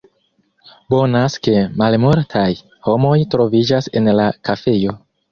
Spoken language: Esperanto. Bonas ke malmultaj homoj troviĝas en la kafejo.